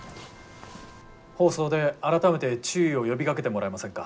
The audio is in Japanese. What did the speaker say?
放送で改めて注意を呼びかけてもらえませんか？